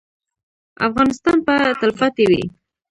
افغانستان به تلپاتې وي؟